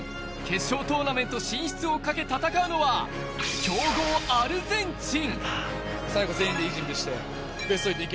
決勝トーナメント進出をかけ戦うのは強豪アルゼンチン。